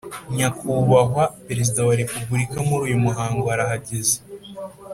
Nyakubahwa Perezida wa Repubulika Muri uyu muhango arahageze